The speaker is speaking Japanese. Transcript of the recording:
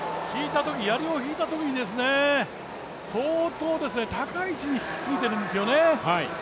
やりを引いたときに、相当高い位置に引きすぎているんですよね。